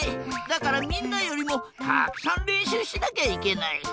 だからみんなよりもたくさんれんしゅうしなきゃいけない。